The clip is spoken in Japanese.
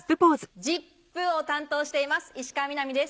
『ＺＩＰ！』を担当しています石川みなみです。